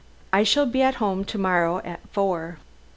I shall be at home to morrow at four."